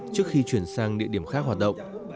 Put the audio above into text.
trước khi chuyển sang địa điểm khác hoạt động